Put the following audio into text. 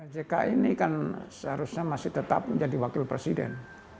jk ini kan seharusnya masih tetap menjadi wakil presiden